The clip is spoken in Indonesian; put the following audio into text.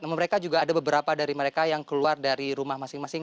namun mereka juga ada beberapa dari mereka yang keluar dari rumah masing masing